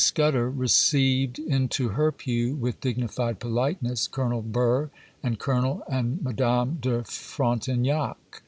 Scudder received into her pew, with dignified politeness, Colonel Burr, and Colonel and Madame de Frontignac.